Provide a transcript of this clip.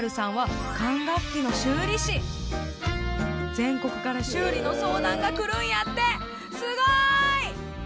全国から修理の相談が来るんやってすごい！